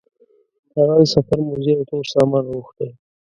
هغه د سفر موزې او تور سامان وغوښتل.